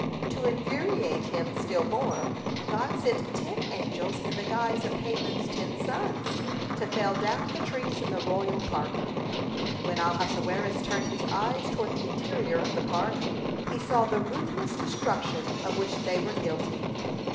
To infuriate him still more, God sent ten angels in the guise of Haman's ten sons, to fell down the trees in the royal park. When Ahasuerus turned his eyes toward the interior of the park, he saw the ruthless destruction of which they were guilty.